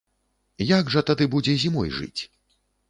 Як жа тады будзе зімой жыць?